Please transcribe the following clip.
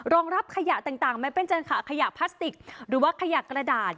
รับขยะต่างไม่เป็นจานขาขยะพลาสติกหรือว่าขยะกระดาษ